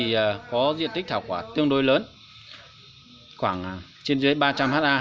năm nay có diện tích thảo quả tương đối lớn khoảng trên dưới ba trăm linh ha